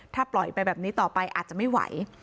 ถ้าปล่อยไปแบบนี้ต่อไปอาจจะไม่ไหว